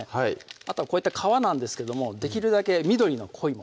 あとはこういった皮なんですけどもできるだけ緑の濃いもの